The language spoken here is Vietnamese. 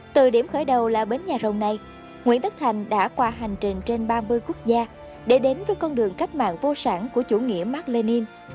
từ điểm khởi đầu là bến nhà rồng này nguyễn tất thành đã qua hành trình trên ba mươi quốc gia để đến với con đường cách mạng vô sản của chủ nghĩa mark lenin